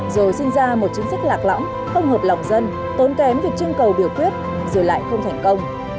rồi sinh ra một chính sách lạc lõng không hợp lòng dân tốn kém việc trưng cầu biểu quyết rồi lại không thành công